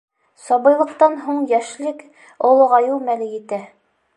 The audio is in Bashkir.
Сабыйлыҡтан һуң йәшлек, олоғайыу мәле етә.